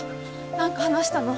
何か話したの？